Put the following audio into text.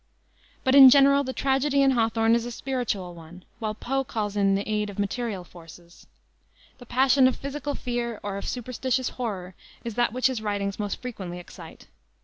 But in general the tragedy in Hawthorne is a spiritual one, while Poe calls in the aid of material forces. The passion of physical fear or of superstitious horror is that which his writings most frequently excite.